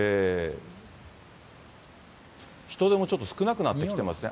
人出もちょっと少なくなってきてますね。